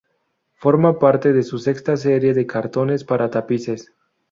Forma parte de su sexta serie de cartones para tapices.